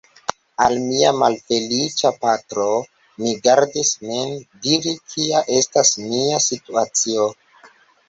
Al mia malfeliĉa patro, mi gardis min diri, kia estas mia situacio.